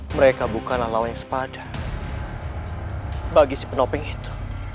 mereka bukan alaway sepadan bagi si penopeng itu